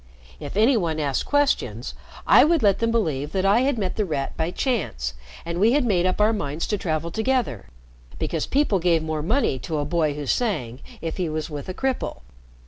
If any one asked questions, I would let them believe that I had met The Rat by chance, and we had made up our minds to travel together because people gave more money to a boy who sang if he was with a cripple.